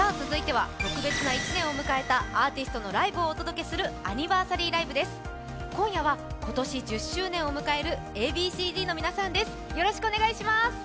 続いては特別な１年を迎えたアーティストのライブをお届けする今夜は今年１０周年を迎えるＡ．Ｂ．Ｃ−Ｚの皆さんです